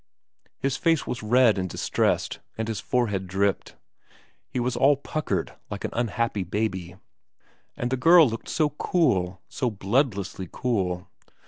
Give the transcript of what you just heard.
His face was red and distressed, and his forehead dripped. He was all puckered, like an unhappy baby. And the girl S VERA i looked so cool, so bloodlessly cool.